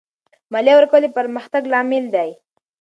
مالیه ورکول د پرمختګ لامل دی.